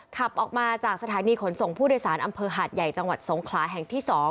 ขับออกมาจากสถานีขนส่งผู้โดยสารอำเภอหาดใหญ่จังหวัดสงขลาแห่งที่๒